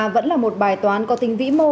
vẫn là một bài toán có tính vĩ mô